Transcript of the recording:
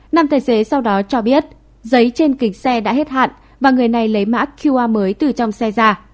nam tài xế sau đó cho biết giấy trên kịch xe đã hết hạn và người này lấy mã qr mới từ trong xe ra